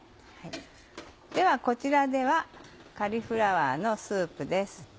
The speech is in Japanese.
ではこちらではカリフラワーのスープです。